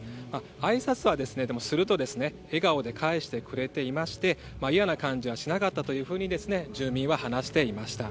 あいさつはすると笑顔で返してくれていまして嫌な感じはしなかったと住民は話していました。